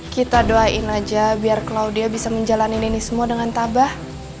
kita doain aja biar claudia bisa menjalani ini semua dengan tabah